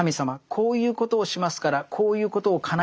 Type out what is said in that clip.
こういうことをしますからこういうことをかなえて下さい」。